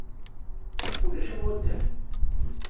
Ulac am waddal.